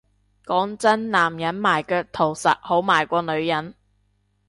講真男人賣腳圖實好賣過女人